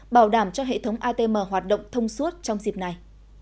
bảo đảm cho hệ thống atm hoạt động thông suốt trong dịp này